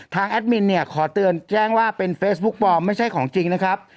แอดมินเนี่ยขอเตือนแจ้งว่าเป็นเฟซบุ๊คปลอมไม่ใช่ของจริงนะครับ